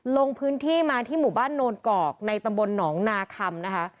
ลงพื้นที่มาที่หมู่บ้านโนนกอกในตำบลหนองนาคำนะคะ